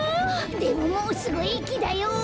でももうすぐえきだよ！